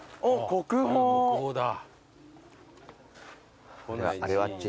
国宝だ。